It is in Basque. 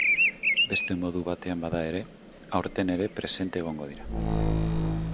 Beste modu batean bada ere, aurten ere presente egongo dira.